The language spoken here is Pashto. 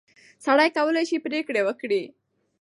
سړی کولای شي پرېکړه وکړي.